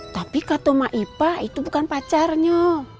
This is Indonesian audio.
tapi kata emak ipa itu bukan pacarnya